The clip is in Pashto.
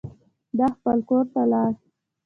ده خپل کور ته لاړ.